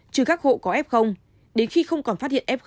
trừ các hộ có f đến khi không còn phát hiện f một